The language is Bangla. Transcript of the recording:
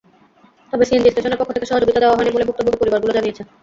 তবে সিএনজি স্টেশনের পক্ষ থেকে সহযোগিতা দেওয়া হয়নি বলে ভুক্তভোগী পরিবারগুলো জানিয়েছে।